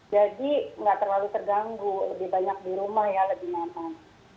jadi nggak terlalu terganggu lebih banyak di rumah ya lebih mantan